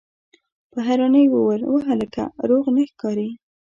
په حيرانۍ يې وويل: وه هلکه! روغ نه ښکارې!